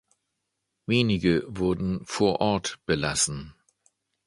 Wenige wurden "vor Ort" belassen.